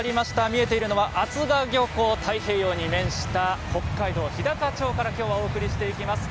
見えているのは厚賀漁港太平洋に面した北海道日高町からきょうはお伝えしていきます。